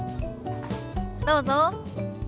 どうぞ。